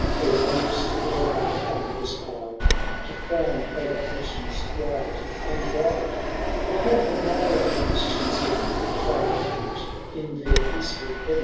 Or wanderVt where thy cairn was piled To frown o*er oceans wide and wild ? Or have the milder Christians given Thy refuge in their peacefiil heaven